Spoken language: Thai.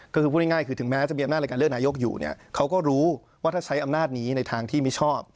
ก็คือพูดง่ายคือถึงแม้จะมีอำนาจในการเลือกนายกอยู่เนี่ยเขาก็รู้ว่าถ้าใช้อำนาจนี้ในทางที่ไม่ชอบ